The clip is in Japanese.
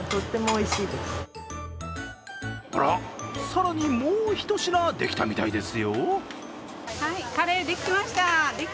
更に、もうひと品できたみたいですよ。